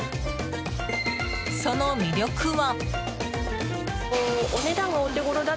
その魅力は。